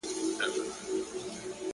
شكر چي ښكلا يې خوښــه ســوېده.